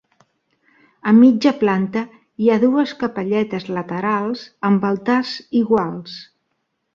A mitja planta hi ha dues capelletes laterals amb altars iguals.